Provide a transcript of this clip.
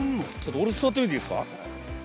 俺座ってみていいですか？